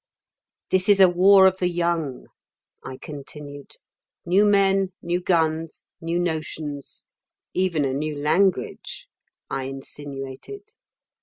"This is a war of the young," I continued. "New men, new guns, new notions. Even a new language," I insinuated.